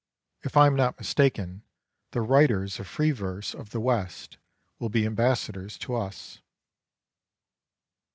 If I am not mistaken, the writers of free verse of the West will be ambassadors to us.